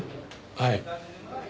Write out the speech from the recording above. はい。